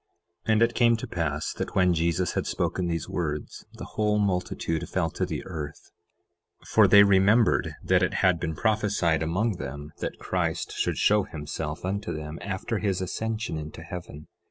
11:12 And it came to pass that when Jesus had spoken these words the whole multitude fell to the earth; for they remembered that it had been prophesied among them that Christ should show himself unto them after his ascension into heaven.